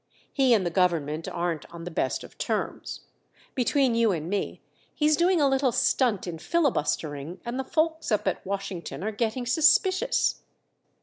He and the government aren't on the best of terms. Between you and me, he's doing a little stunt in filibustering, and the folks up at Washington are getting suspicious."